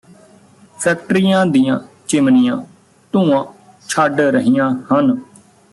ਫੈਕਟਰੀਆਂ ਦੀਆਂ ਚਿਮਨੀਆਂ ਧੂੰਆ ਛੱਡ ਰਹੀਆਂ ਹਨ